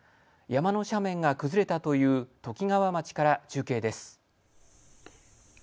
山の斜面が崩れたというときがわ町から中継です。